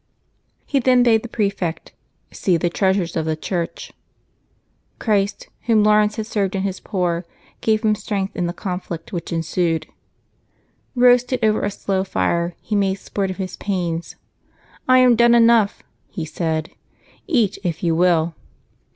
He then bade the prefect " see the treasures of the Church." Christ, whom Laurence had served in his poor, gave him strength in the conflict which ensued. Eoasted over a slow fire, he made sport of his pains. "I am done enough," he said, "eat, if you will."